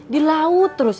di laut terus